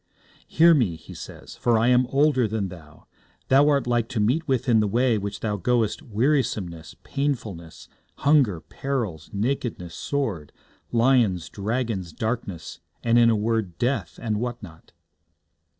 'Hear me,' he says, 'for I am older than thou. Thou art like to meet with in the way which thou goest wearisomeness, painfulness, hunger, perils, nakedness, sword, lions, dragons, darkness, and in a word, death, and what not.'